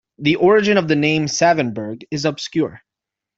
The origin of the name Savonburg is obscure.